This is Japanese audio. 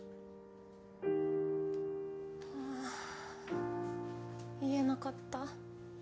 はあ言えなかった。